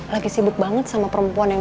lagi sibuk banget sama peremtahan ya boy